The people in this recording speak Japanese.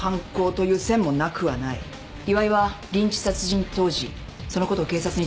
岩井はリンチ殺人当時そのことを警察に通報した人間を。